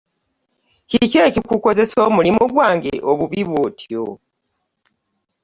Kiki ekikukozesezza omulimu gwange obubi bwotyo?